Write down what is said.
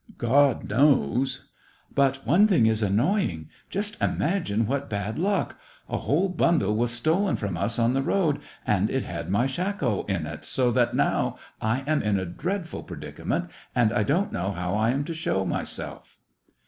'* God knows !"*' But one thing is annoying. Just imagine what bad luck ! A whole bundle was stolen from us on the road, and it had my shako in it, so that now I am in a dreadful predicament ; and I don't know how I am to show myself."